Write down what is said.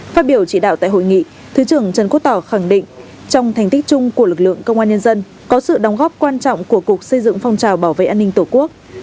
phát biểu chỉ đạo tại hội nghị thứ trưởng trần quốc tỏ khẳng định trong thành tích chung của lực lượng công an nhân dân có sự đóng góp quan trọng của cục xây dựng phong trào bảo vệ an ninh tổ quốc